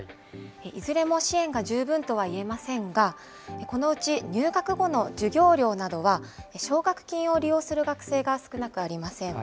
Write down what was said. いずれも支援が十分とはいえませんが、このうち入学後の授業料などは、奨学金を利用する学生が少なくありません。